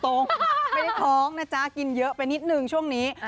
ไม่ได้ท้องนะจ๊ะกินเยอะไปนิดนึงช่วงนี้